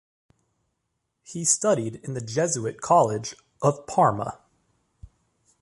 He studied in the Jesuit college of Parma.